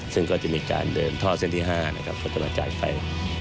ซึ่งก็จะมีการเดินท่อเส้นที่๕ควรจะมาจ่ายไฟ